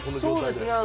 そうですね。